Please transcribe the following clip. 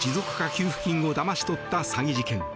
給付金をだまし取った詐欺事件。